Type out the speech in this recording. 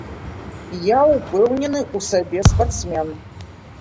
Я ўпэўнены ў сабе спартсмен.